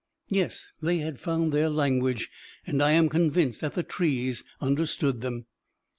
Yes, they had found their language, and I am convinced that the trees understood them.